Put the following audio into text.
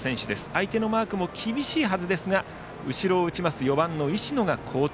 相手のマークも厳しいはずですが後ろを打つ４番の石野が好調。